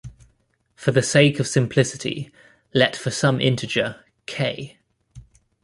For the sake of simplicity, let for some integer "k".